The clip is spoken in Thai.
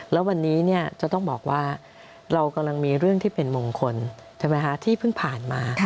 แล้ววันนี้จะต้องบอกว่าเรากำลังมีเรื่องที่เป็นมงคลใช่ไหมคะที่เพิ่งผ่านมา